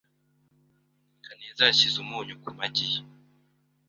Kaneza yashyize umunyu ku magi ye.